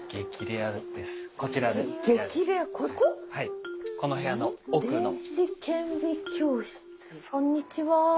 あっこんにちは。